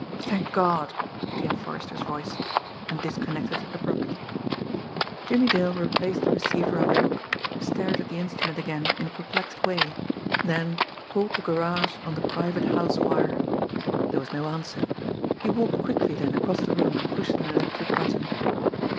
"Thank God!" came Forrester's voice and disconnected abruptly. Jimmie Dale replaced the receiver on the hook, stared at the instrument again in a perplexed way; then, called the garage on the private house wire. There was no answer. He walked quickly then across the room and pushed an electric button.